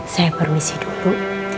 saya permisi dulu